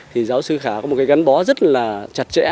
thì giáo sư khả có một cái gắn bó rất là chặt chẽ